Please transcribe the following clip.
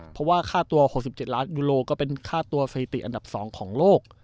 เพราะว่าค่าตัว๖๗ล้านยูโรก็เป็นค่าตัวสถิติอันดับ๒ของโลก